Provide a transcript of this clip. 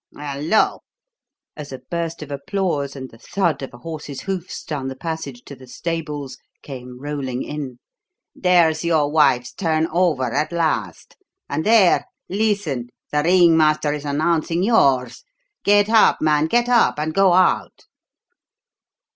Hello!" as a burst of applause and the thud of a horse's hoofs down the passage to the stables came rolling in, "there's your wife's turn over at last; and there listen! the ringmaster is announcing yours. Get up, man; get up and go out."